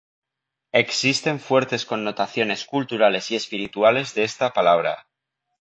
Existen fuertes connotaciones culturales y espirituales de esta palabra.